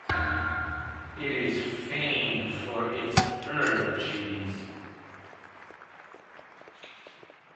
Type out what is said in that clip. It is famed for its Herve cheese.